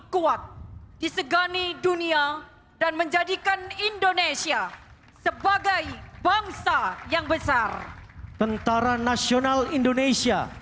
kuat disegani dunia dan menjadikan indonesia sebagai bangsa yang besar tentara nasional indonesia